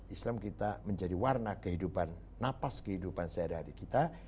islam kita menjadi warna kehidupan napas kehidupan seadari kita